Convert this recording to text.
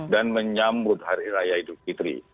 dan menyambut hari raya idris fitri